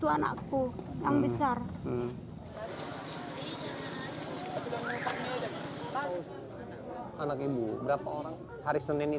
anak ibu berapa orang